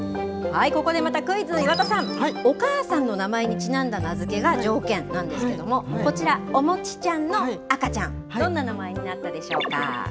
ここでまたクイズ、岩田さん、お母さんの名前にちなんだ名づけが条件なんですけれども、こちら、おもちちゃんの赤ちゃん、どんな名前になったでしょうか。